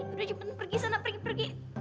udah cuman pergi sana pergi pergi